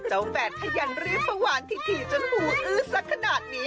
เจ้าแฟนที่ยังลืมป้าหวานถี่จนหูอืดสักขนาดนี้